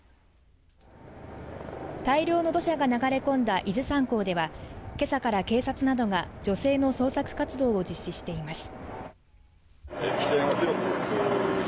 大量の土砂が流れ込んだ伊豆山港では今朝から警察などが女性の捜索活動を実施しています。